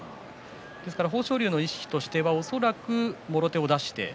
豊昇龍の意志としては恐らくもろ手を出して。